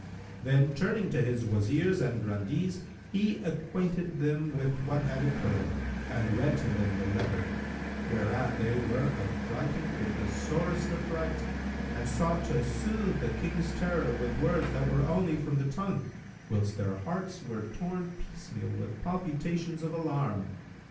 Then, turning to his Wazirs and Grandees, he acquainted them with what had occurred and read to them the letter, whereat they were affrighted with the sorest affright and sought to soothe the King's terror with words that were only from the tongue, whilst their hearts were torn piecemeal with palpitations of alarm.